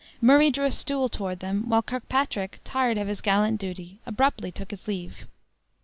Murray drew a stool toward them, while Kirkpatrick, tired of his gallant duty, abruptly took his leave.